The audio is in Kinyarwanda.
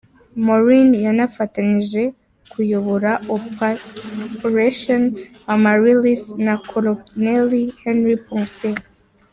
Maurin yanafatanyije kuyobora “opÃ©ration Amaryllis” na koloneli Henri Poncet.